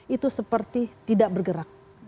itu seperti tidak bergerak